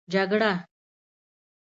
جگړه